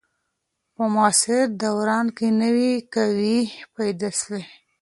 په معاصر دوران کي نوي قوې پیدا سوې.